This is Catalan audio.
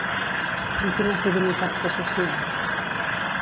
Amb quines divinitats s'associa?